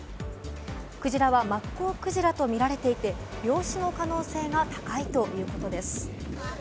クジラはマッコウクジラとみられていて、病死の可能性が高いということです。